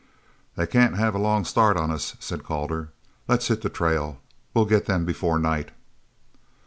"They can't have a long start of us," said Calder. "Let's hit the trail. Well get them before night."